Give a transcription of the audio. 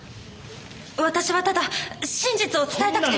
私はただ真実を伝えたくて。